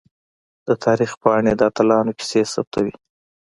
د تاریخ پاڼې د اتلانو کیسې ثبتوي.